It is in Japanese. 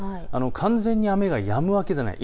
完全に雨がやむわけではない。